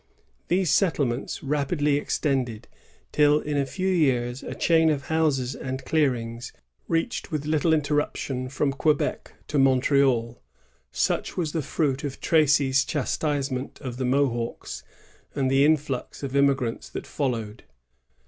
These settlements rapidly extended, till in a few years a chain of houses and clearings reached with little interruption from Quebec to Montreal. Such was the fruit of Tracy's chastisement of the Mohawks, and the influx of immigrants that followed.